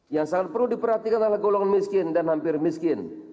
yang sangat perlu diperhatikan adalah golongan miskin dan hampir miskin